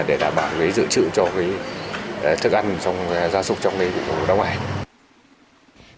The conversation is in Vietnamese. để đảm bảo dự trữ cho thức ăn ra súc trong vụ đông này